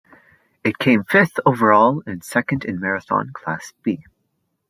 It came fifth overall and second in marathon class B.